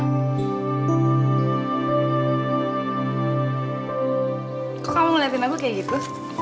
kok kamu ngeliatin aku kayak gitu